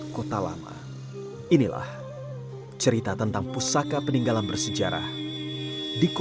kisah dari tanah minang